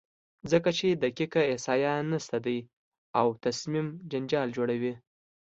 ځکه چې دقیقه احصایه نشته دی او تصمیم جنجال جوړوي،